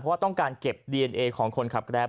เพราะว่าต้องการเก็บดีเอนเอของคนขับแกรป